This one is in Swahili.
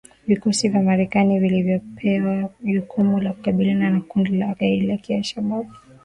Vikosi vya Marekani vilivyopewa jukumu la kukabiliana na kundi la kigaidi la al-Shabab